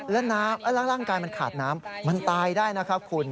แล้วร่างกายมันขาดน้ำมันตายได้นะครับคุณ